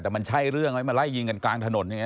แต่มันใช่เรื่องไหมมาไล่ยิงกันกลางถนนอย่างนี้